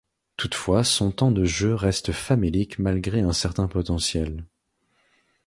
Toutefois son temps de jeu reste famélique malgré un certain potentiel.